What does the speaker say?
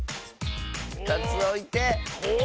２つおいて。